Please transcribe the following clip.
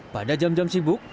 pada jam jam sibuk